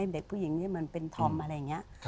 เด็กผู้หญิงที่เหมือนเป็นธอมอะไรอย่างนี้